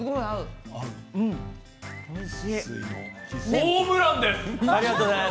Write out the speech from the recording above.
ホームランです。